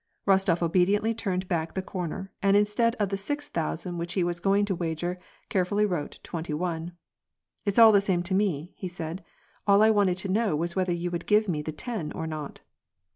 Eostof obediently turned back the comer, and instead of the six thousand which he was going to wager, carefully wrote twenty one. " It's all the same to me I " said he, " all I wanted to know was whether you would give me the ten or not."